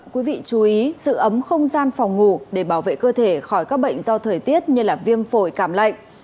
quý vị chú ý giữ ấm không gian phòng ngủ để bảo vệ cơ thể khỏi các bệnh do thời tiết như viêm phổi cảm lạnh